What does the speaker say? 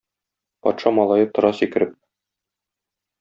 Патша малае тора сикереп.